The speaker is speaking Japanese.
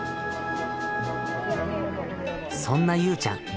そんなゆうちゃん。